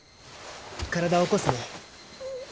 体起こすね。